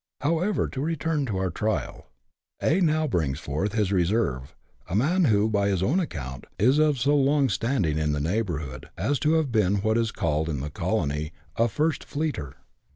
However, to return to our trial. A. now brings forth his reserve, a man who, by his own account, is of so long standing in the neighbourhood as to have been what is called in the CHAP, viii] SUNDAY IN THE BUSH. 93 colony a " first fleeter."